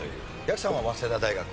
やくさんは早稲田大学。